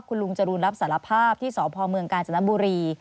คุณลุงจรูนรับสารภาพที่สพเมืองกาญจนบุรี